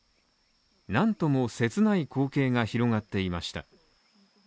なんとも切ない光景が広がっていました。